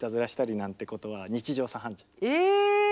え！